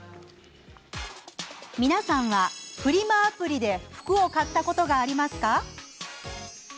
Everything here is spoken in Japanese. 皆さんはフリマアプリで服を買ったことがありますか？